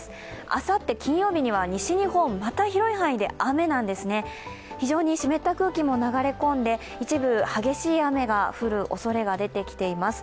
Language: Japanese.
あさって金曜日には西日本、また広い範囲で雨なんですね、非常に湿った空気も流れ込んで、一部激しい雨が降るおそれが出てきています。